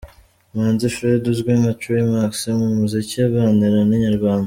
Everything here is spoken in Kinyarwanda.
Manzi Fred uzwi nka Trey Max mu muziki, aganira na Inyarwanda.